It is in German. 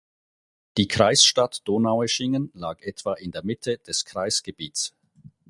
Die Kreisstadt Donaueschingen lag etwa in der Mitte des Kreisgebiets.